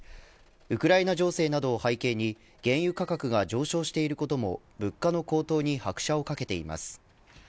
ウクライナ情勢などを背景に原油価格が上昇していることも物価の高騰に拍車をかけています。